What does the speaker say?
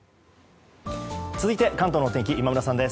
続いて、関東の天気今村さんです。